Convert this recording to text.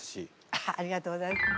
ありがとうございます。